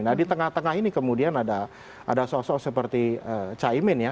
nah di tengah tengah ini kemudian ada sosok seperti caimin ya